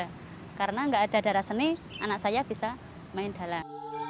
karena nggak ada darah seni anak saya bisa main dalam